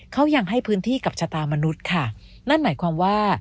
เขายังให้พื้นที่กับชะตามนุษย์ค่ะนั่นหมายความว่า